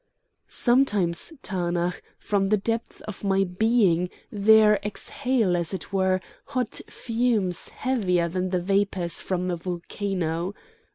"Sometimes, Tanaach, from the depths of my being there exhale as it were hot fumes heavier than the vapours from a volcano.